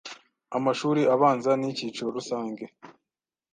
Amashuri Abanza N’icyiciro Rusange